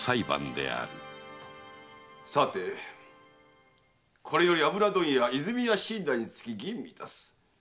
さてこれより油問屋和泉屋身代につき吟味いたす。